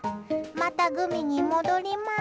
また、グミに戻ります。